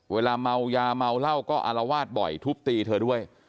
เวลาเมายาเมาเหล้าก็อารวาสบ่อยทุบตีเธอด้วย